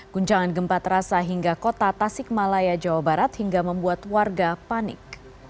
guncangan gempa terasa hingga kota tasik malaya jawa barat hingga membuat warga panik